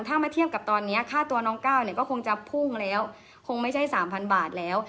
ถ้ามาเทียบกับตอนนี้ค่าตัวน้องก้าวเนี่ยก็คงจะพุ่งแล้วคงไม่ใช่๓๐๐บาทแล้ว